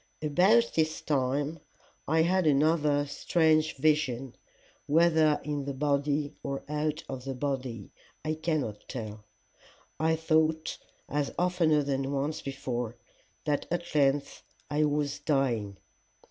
"'About this time I had another strange vision, whether in the body or out of the body, I cannot tell. I thought, as oftener than once before, that at length I was dying.